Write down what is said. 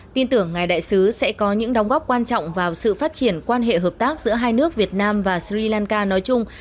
tin tưởng ngài đại sứ sẽ có những đóng góp quan trọng vào sự phát triển quan hệ hợp tác giữa hai nước việt nam và sri lanka nói chung